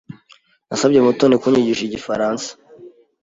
Nasabye Mutoni kunyigisha igifaransa.